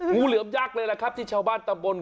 งูเหลือมยักษ์เลยแหละครับที่ชาวบ้านตำบล